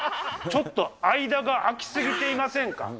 ちょっと間が空き過ぎていませんか。